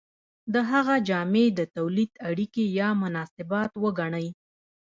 د هغه جامې د تولید اړیکې یا مناسبات وګڼئ.